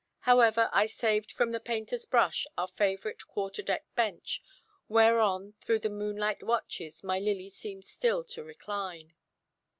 However, I saved from the painter's brush our favourite quarter deck bench, whereon through the moonlight watches my Lily seemed still to recline.